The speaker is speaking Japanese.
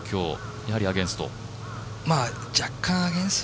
やはりアゲンスト？